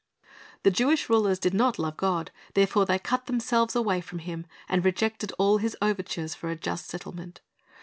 The Jewish rulers did not love God; therefore they cut themselves away from Him, and rejected all His overtures for a just settlement.